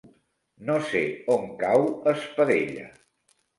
No sé on cau Espadella.